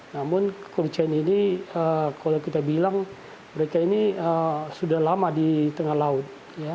namun kurjain ini kalau kita bilang mereka ini sudah lama di tengah laut